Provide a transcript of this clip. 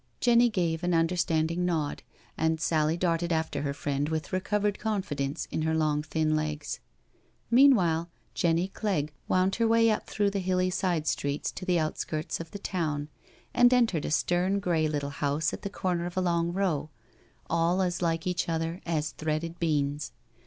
Jenny gave an understanding nod, and Sally darted after her friend with recovered confidence in her long thin legs. Meanwhile, Jenny Clegg wound her way up through the hilly side streets to the outskirts of the town, and .entered a stern grey little house at the corner of a long row, all as like each other as threaded beans.